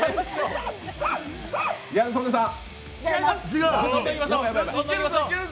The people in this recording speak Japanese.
ギャル曽根さん。